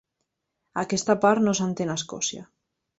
Aquesta part no s'estén a Escòcia.